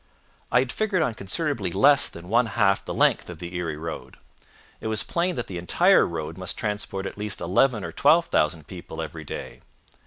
I had figured on considerably less than one half the length of the Erie road. It was plain that the entire road must transport at least eleven or twelve thousand people every day.